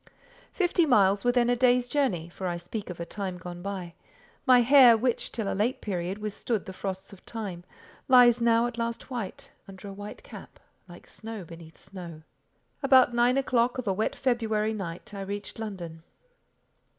Fifty miles were then a day's journey (for I speak of a time gone by: my hair, which, till a late period, withstood the frosts of time, lies now, at last white, under a white cap, like snow beneath snow). About nine o'clock of a wet February night I reached London.